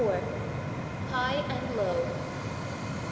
HIGH AND LOW.